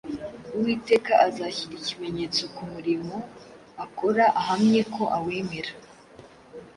Uwiteka azashyira ikimenyetso ku murimo akora ahamye ko awemera